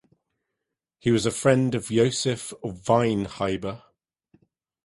He was a friend of Josef Weinheber.